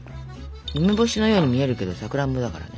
梅干しのように見えるけどさくらんぼだからね。